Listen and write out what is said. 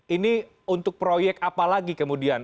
ini untuk proyek apa lagi kemudian